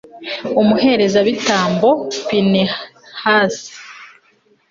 umuherezabitambo pinehasi